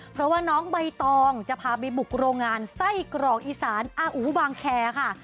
เพราะว่าน้องใบตองจะพาไปบุกโรงงานไส้กรอกอีสานอาอูบางแคร์ค่ะ